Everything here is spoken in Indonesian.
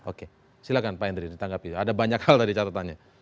oke silakan pak henry ditanggapi ada banyak hal tadi catatannya